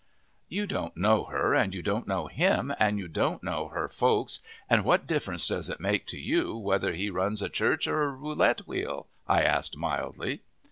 "You don't know her, and you don't know him, and you don't know her folks, and what difference does it make to you whether he runs a church or a roulette wheel?" I asked mildly.